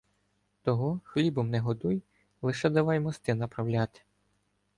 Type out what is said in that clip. Того хлібом не годуй, лише давай мости "направляти".